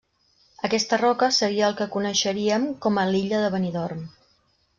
Aquesta roca seria el que coneixeríem com a l'Illa de Benidorm.